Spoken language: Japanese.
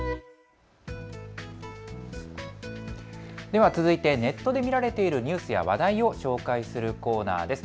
では続いてネットで見られているニュースや話題を紹介するコーナーです。